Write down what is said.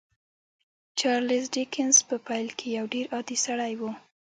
چارلیس ډیکنز په پیل کې یو ډېر عادي سړی و